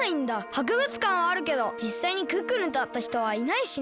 博物館はあるけどじっさいにクックルンとあったひとはいないしね。